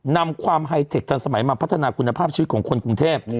นำความไฮเทคทันสมัยมาพัฒนาคุณภาพชีวิตของคนกรุงเทพ